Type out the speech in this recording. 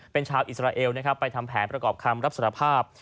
เป็นชาวอิสราเอลนะครับไปทำแผนประกอบคำรับสารภาพ